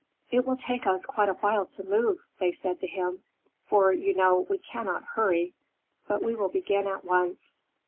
"It will take us quite a while to move," they said to him, "for you know we cannot hurry, but we will begin at once."